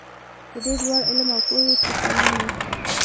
د ډېر لوړ علم او پوهې څښتنان وي.